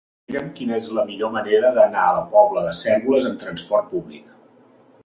Mira'm quina és la millor manera d'anar a la Pobla de Cérvoles amb trasport públic.